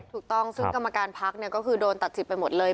ถูกต้องซึ่งกรรมการพักก็คือโดนตัดสิทธิไปหมดเลย